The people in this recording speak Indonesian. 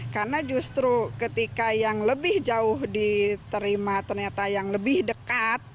karena justru ketika yang lebih jauh diterima ternyata yang lebih dekat